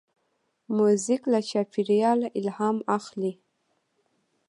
موزیک له چاپېریال الهام اخلي.